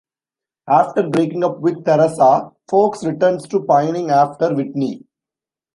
After breaking up with Theresa, Fox returns to pining after Whitney.